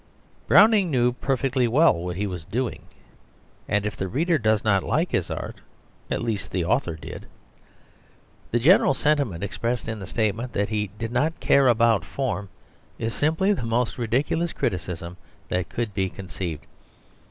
Browning knew perfectly well what he was doing; and if the reader does not like his art, at least the author did. The general sentiment expressed in the statement that he did not care about form is simply the most ridiculous criticism that could be conceived.